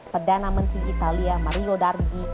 perdana menteri italia mario dargi